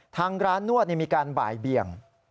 ทางร้านนวดมีการบ่ายเบียง